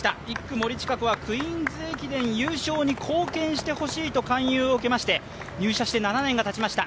森智香子はクイーンズ駅伝優勝に貢献してほしいと勧誘を受けまして入社して７年がたちました。